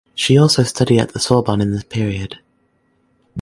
She also studied at the Sorbonne in this period.